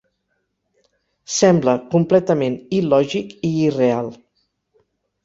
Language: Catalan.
Sembla completament il·lògic i irreal.